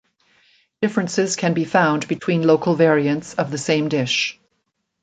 Differences can be found between local variants of the same dish.